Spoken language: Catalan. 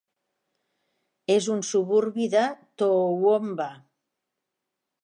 És un suburbi de Toowoomba.